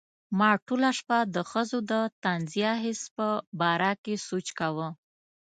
ما ټوله شپه د ښځو د طنزیه حس په باره کې سوچ کاوه.